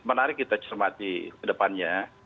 menarik kita cermati kedepannya